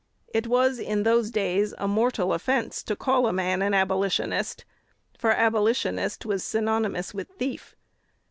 It was in those days a mortal offence to call a man an Abolitionist, for Abolitionist was synonymous with thief.